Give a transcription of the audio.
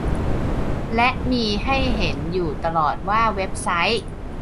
และมีให้เห็นอยู่ตลอดว่าเว็บไซต์